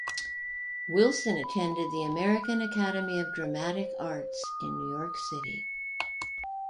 Wilson attended the American Academy of Dramatic Arts in New York City.